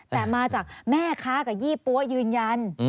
แต่มาจากแม่ค้ากับยี่ปั๊วยืนยัน